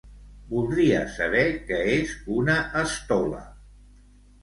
Voldria saber què és una estola.